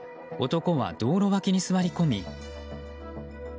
男は道路脇に座り込み。